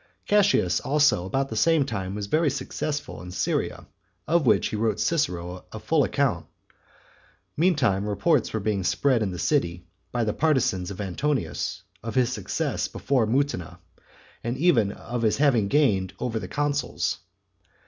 Cassius also about the same time was very successful in Syria, of which he wrote Cicero a full account. Meantime reports were being spread in the city by the partizans of Antonius, of his success before Mutina; and even of his having gained over the consuls.